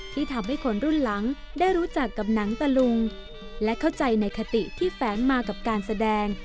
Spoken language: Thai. ที่ทำให้คนรุ่นหลังได้รู้จักกับหนังตะลุงและเข้าใจในคติที่แฝงมากับการแสดง